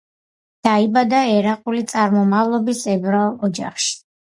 დაიბადა ერაყული წარმომავლობის ებრაულ ოჯახში.